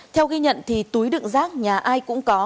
theo ghi nhận thì túi đựng rác nhà ai cũng có